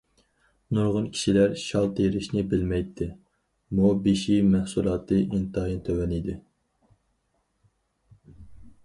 نۇرغۇن كىشىلەر شال تېرىشنى بىلمەيتتى، مو بېشى مەھسۇلاتى ئىنتايىن تۆۋەن ئىدى.